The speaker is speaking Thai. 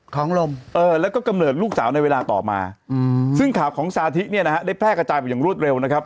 ของลมเออแล้วก็กำเนิดลูกสาวในเวลาต่อมาอืมซึ่งข่าวของสาธิเนี่ยนะฮะได้แพร่กระจายไปอย่างรวดเร็วนะครับ